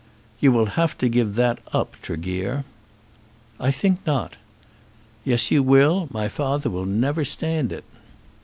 "You will have to give that up, Tregear." "I think not." "Yes, you will; my father will never stand it."